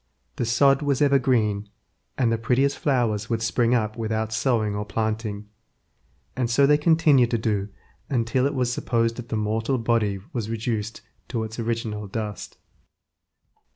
The sod was ever green, and the prettiest flowers would spring up without sowing or planting, and so they continued to do until it was supposed the mortal body was reduced to its original dust.